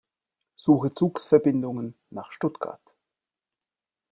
Suche Zugverbindungen nach Stuttgart.